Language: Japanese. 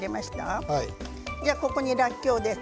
ここに、らっきょうです。